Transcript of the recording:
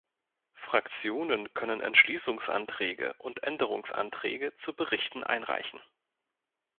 Fraktionen können Entschließungsanträge und Änderungsanträge zu Berichten einreichen.